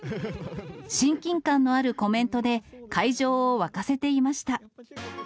親近感のあるコメントで会場を沸かせていました。